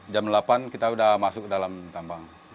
jam delapan kita sudah masuk ke dalam tambang